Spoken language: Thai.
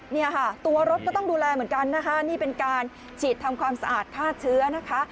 เนี่ยค่ะตัวรถก็ต้องดูแลเหมือนกันนะคะนี่เป็นการฉีดทำความสะอาดฆ่าเชื้อนะคะ